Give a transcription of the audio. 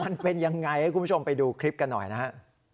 มันเป็นยังไงให้คุณผู้ชมไปดูคลิปกันหน่อยนะฮะ